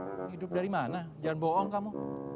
hidup dari mana jangan bohong kamu